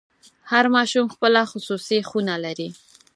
هر ماشوم خپله خصوصي خونه لري.